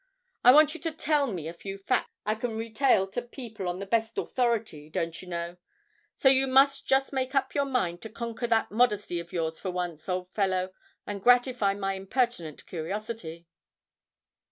I want you to tell me a few facts I can retail to people on the best authority, don't you know; so you must just make up your mind to conquer that modesty of yours for once, old fellow, and gratify my impertinent curiosity.'